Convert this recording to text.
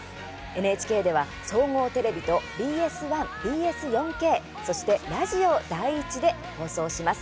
ＮＨＫでは総合テレビとＢＳ１、ＢＳ４Ｋそして、ラジオ第１で放送します。